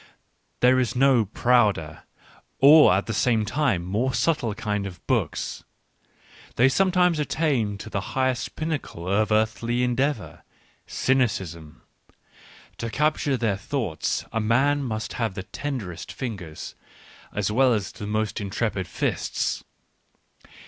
... There is no prouder or at the same time more subtle kind of books : they sometimes attain to the highest pinnacle of earthly endeavour, cynicism ; to capture their thoughts a man must have the ten derest fingers as well as the most intrepid fists.